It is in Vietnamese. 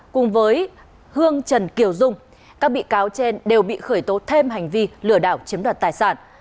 cùng với hương trần kiều dung các bị cáo trên đều bị khởi tố thêm hành vi lừa đảo chiếm đoạt tài sản